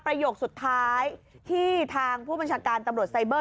ประโยคสุดท้ายที่ทางผู้บัญชาการตำรวจไซเบอร์